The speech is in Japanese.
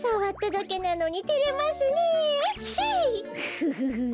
フフフフ。